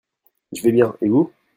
Je vais bien et vous ?